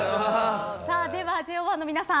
ではＪＯ１の皆さん